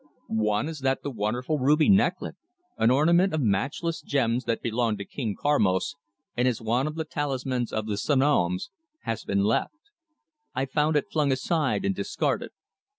"One is that the wonderful ruby necklet, an ornament of matchless gems that belonged to King Karmos and is one of the talismans of the Sanoms, has been left. I found it flung aside and discarded.